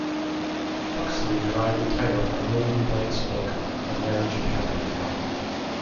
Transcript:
Huxley derived the title from William Blake's book "The Marriage of Heaven and Hell".